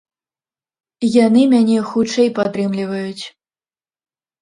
Яны мяне хутчэй падтрымліваюць.